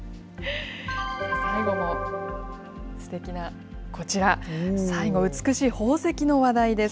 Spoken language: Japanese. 最後もすてきなこちら、最後、美しい宝石の話題です。